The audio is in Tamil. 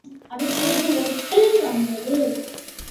அடுத்தது ஓட்டல் வந்தது.